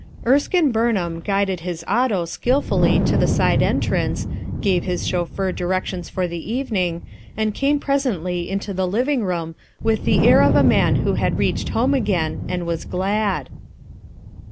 Ebskine Btjbnham guided his auto skillfully to the side entrance, gave his chauffeur direc tions for the evening, and came presently into the living room with the air of a man who had reached home again and was glad.